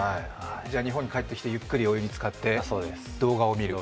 じゃ日本に帰ってきてゆっくりお湯につかって動画を見る。